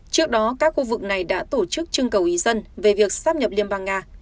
trước đó các khu vực này đã tổ chức trưng cầu ý dân về việc sắp nhập liên bang nga